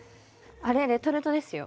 あれレトルトですよ。